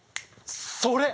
それ！